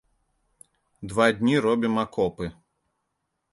Два дні робім акопы.